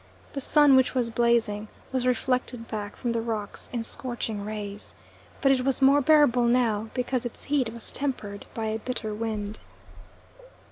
The sun, which was blazing, was reflected back from the rocks in scorching rays. But it was more bearable now, because its heat was tempered by a bitter wind.